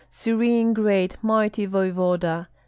"Serene great mighty voevoda!"